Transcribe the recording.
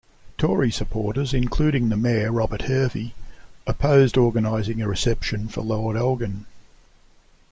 Tory supporters, including the mayor Robert Hervey, opposed organizing a reception for Lord Elgin.